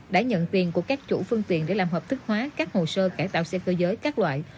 đã nhận tiền của các chủ phương tiện để làm hợp thức hóa các hồ sơ cải tạo xe cơ giới các loại